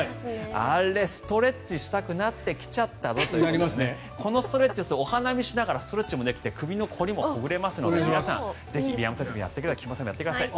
あれ、ストレッチしたくなってきちゃったぞということでこのストレッチお花見しながらストレッチできて首の凝りもほぐれますので皆さん、入山先生も菊間さんもやってください。